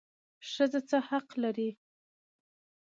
ښځه څه حق لري؟